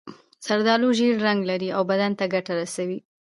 زردالو ژېړ رنګ لري او بدن ته ګټه رسوي.